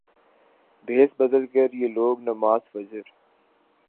بھیس بدل کریہ لوگ نماز فجر